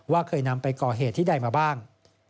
เคยนำไปก่อเหตุที่ใดมาบ้าง